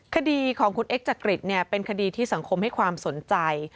คดีของคุณเอ็กจักริตเป็นคดีที่สังคมให้ความสนใจ